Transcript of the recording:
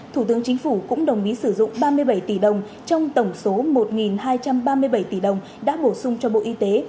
thủ tướng chính phủ cũng đồng ý sử dụng ba mươi bảy tỷ đồng trong tổng số một hai trăm ba mươi bảy tỷ đồng đã bổ sung cho bộ y tế